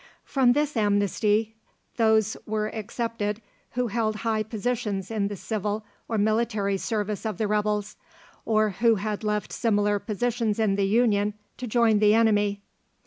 From this amnesty those were excepted who held high positions in the civil or military service of the rebels, or who had left similar positions in the Union to join the enemy.